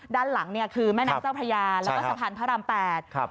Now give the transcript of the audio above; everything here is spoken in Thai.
ด้านหลังเนี่ยคือแม่น้ำเจ้าพระยาแล้วก็สะพานพระราม๘